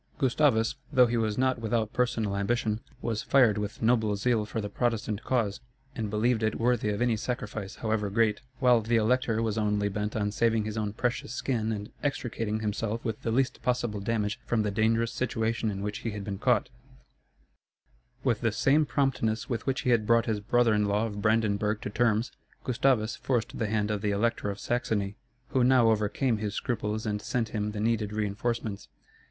Gustavus, though he was not without personal ambition, was fired with noble zeal for the Protestant cause, and believed it worthy of any sacrifice, however great; while the Elector was only bent on saving his own precious skin and extricating himself with the least possible damage from the dangerous situation in which he had been caught. [Illustration: Gustavus Adolphus before the battle of Lutzen.] With the same promptness with which he had brought his brother in law of Brandenburg to terms, Gustavus forced the hand of the Elector of Saxony, who now overcame his scruples and sent him the needed reinforcements.